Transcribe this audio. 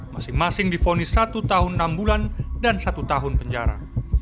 masing masing difonis satu tahun enam bulan dan satu tahun penjara